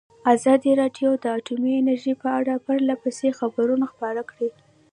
ازادي راډیو د اټومي انرژي په اړه پرله پسې خبرونه خپاره کړي.